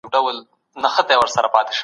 د جرګې د غړو نوملړ څوک برابروي؟